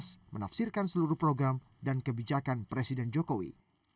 menafsirkan seluruh program dan kebijakan presiden jokowi